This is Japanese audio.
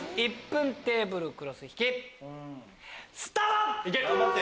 １分テーブルクロス引きスタート！